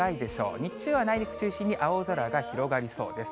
日中は内陸中心に、青空が広がりそうです。